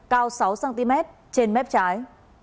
cao sáu cm trên mép trái